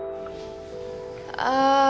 setau aku sih dia mau nginep di rumah raya nih